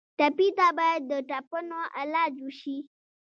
ټپي ته باید د ټپونو علاج وشي.